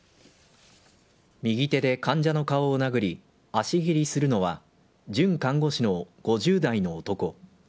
右手で患者の顔を殴り、足蹴りするのは、准看護師の５０代の男。